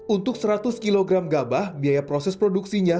untuk seratus kg gabah biaya proses produksinya